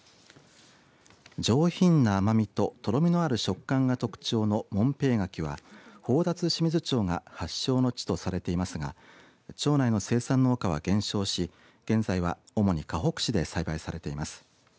上品な甘みととろみのある食感が特徴の紋平柿は宝達志水町が発祥の地とされていますが町内の生産農家は減少し現在は主にかほく市で栽培されています。